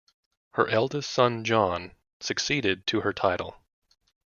Her eldest son, John, succeeded to her title.